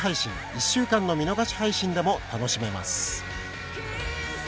１週間の見逃し配信でも楽しめます。